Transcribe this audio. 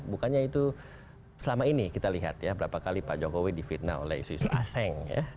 bukannya itu selama ini kita lihat ya berapa kali pak jokowi di fitnah oleh isu isu asing ya